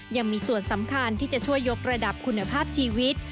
ยังมีส่วนสำคัญที่จะช่วยยกระดับคุณภาพชีวิต